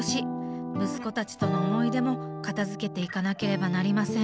息子たちとの思い出も片づけていかなければなりません。